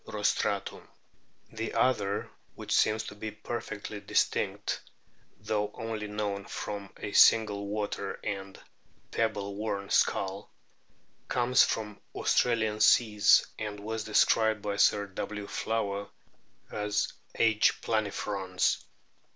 rostratum ; the other, which seems to be perfectly distinct, though only known from a single water and pebble worn skull, comes from Australian seas, and was described by Sir W. Flower as H. plamfrons.